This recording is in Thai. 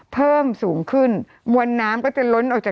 กรมป้องกันแล้วก็บรรเทาสาธารณภัยนะคะ